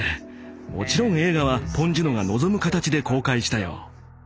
もちろん映画はポン・ジュノが望む形で公開したよ。